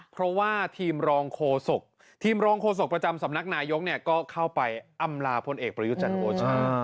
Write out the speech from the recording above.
เพราะว่าทีมรองโฆษกทีมรองโฆษกประจำสำนักนายกเนี่ยก็เข้าไปอำลาพลเอกประยุจันทร์โอชา